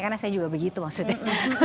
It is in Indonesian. karena saya juga begitu maksudnya